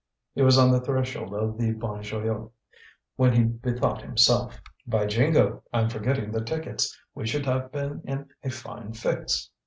He was on the threshold of the Bon Joyeux, when he bethought himself. "By jingo! I'm forgetting the tickets. We should have been in a fine fix!"